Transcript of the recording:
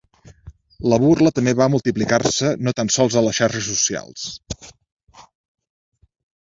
La burla també va multiplicar-se, no tan sols a les xarxes socials.